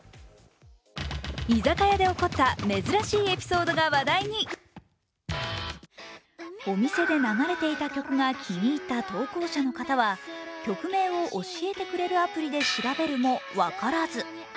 居酒屋で起こった珍しいエピソードが話題にお店で流れていた曲が気に入った投稿者の方は曲名を教えてくれるアプリで調べるも分からず。